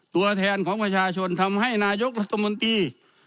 ตัวแทนของประชาชนทำให้นายกรัฐมนตรี